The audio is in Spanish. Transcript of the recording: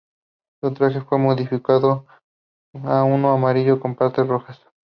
Su traje fue modificado a uno amarillo con partes rojas.